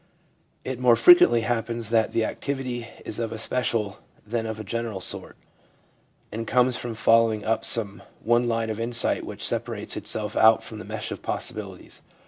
'" It more frequently happens that the activity is of a special than of a general sort, and comes from following up some one line of insight which separates itself out from the mesh of possibilities.